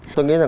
tôi nghĩ là